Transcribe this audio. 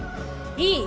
いい？